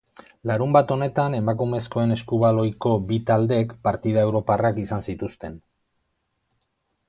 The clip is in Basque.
Larunbat honetan emakumezkoen eskubaloiko bi taldek partida europarrak izan zituzten.